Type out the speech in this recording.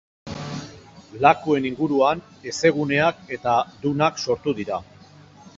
Lakuen inguruan hezeguneak eta dunak sortu dira.